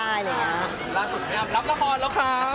อาทิตย์ล่ะจนกำลักราบราคอนแล้วครับ